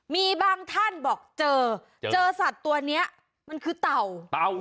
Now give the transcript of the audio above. มีบางท่านบอกเจอเจอสัตว์ตัวนี้มันคือเต่าเต่า